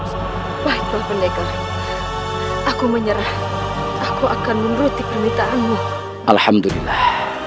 menyusup baiklah pendekat aku menyerah aku akan menuruti permintaanmu alhamdulillah